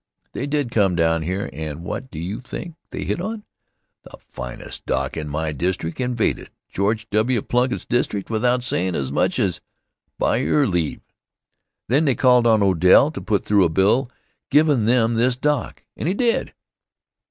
They did come down here, and what do you think they hit on? The finest dock in my district Invaded George W. Plunkitt's district without sayin' as much as "by your leave." Then they called on Odell to put through a bill givin' them this dock, and he did.